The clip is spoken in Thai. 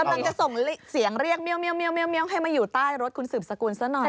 กำลังจะส่งเสียงเรียกเมียวให้มาอยู่ใต้รถคุณสืบสกุลซะหน่อย